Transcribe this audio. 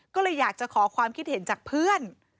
ก็เลยอยากจะขอความคิดเห็นจากเพื่อน